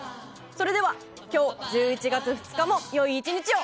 それでは今日１１月１日もよい１日を。